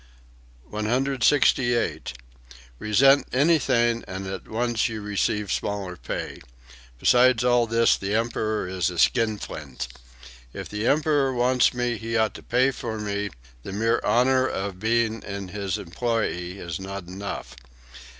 168. "Resent anything and at once you receive smaller pay. Besides all this the Emperor is a skinflint. If the Emperor wants me he ought to pay for me; the mere honor of being in his employ is not enough.